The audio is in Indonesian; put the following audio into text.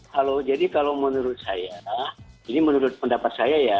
halo jadi kalau menurut saya ini menurut pendapat saya ya